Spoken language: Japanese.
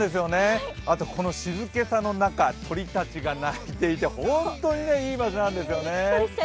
あと静けさの中、鳥たちが鳴いていて本当にいい場所ですよね。